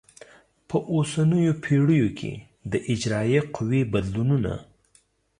په اوسنیو پیړیو کې د اجرایه قوې بدلونونه